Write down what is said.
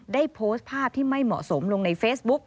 ได้โพสต์ภาพที่ไม่เหมาะสมลงในเฟซบุ๊ก